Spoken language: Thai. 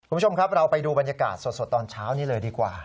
คุณผู้ชมครับเราไปดูบรรยากาศสดตอนเช้านี้เลยดีกว่า